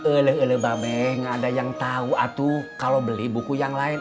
uleh uleh babe nggak ada yang tau atu kalau beli buku yang lain